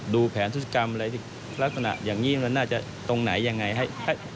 ดูแผนทุศกรรมอะไรลักษณะอย่างนี้มันน่าจะตรงไหนยังไงให้